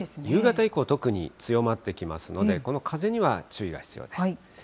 夕方以降、特に強まってきますので、この風には注意が必要です。